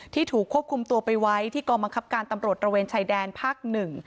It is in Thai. ถูกควบคุมตัวไปไว้ที่กองบังคับการตำรวจระเวนชายแดนภาค๑